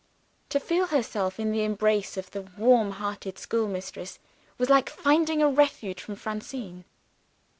To feel herself in the embrace of the warm hearted schoolmistress was like finding a refuge from Francine.